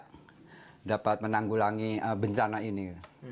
kita dapat menanggulangi bencana ini